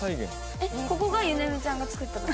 えっここがゆねみちゃんが作ったとこ？